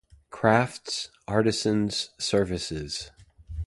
Crafts, Artisans, services.